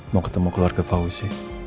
mau ketemu keluarga fauzi